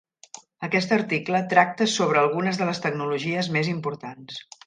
Aquest article tracta sobre algunes de les tecnologies més importants.